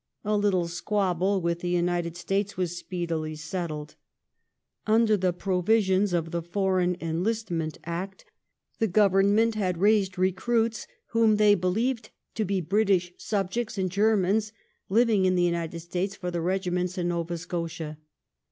A little squabble with the United States was speedily settled. Under the provisions of the Foreign Enlist / 176 LIFE OF nSOOUNT PALMFB8T0N. ment Act, the Oovemment had raised recruits whom they believed to be British subjects and Germans living in the United States for the regiments in Nova Scotia.